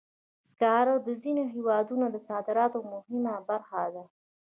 سکاره د ځینو هېوادونو د صادراتو مهمه برخه ده.